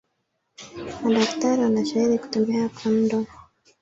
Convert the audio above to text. Madaktari wanashairi kutumia kondomu